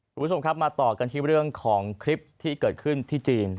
คุณผู้ชมครับมาต่อกันที่เรื่องของคลิปที่เกิดขึ้นที่จีน